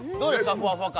ふわふわ感